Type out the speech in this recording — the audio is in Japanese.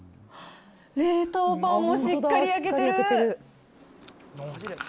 冷凍パンもしっかり焼けてる。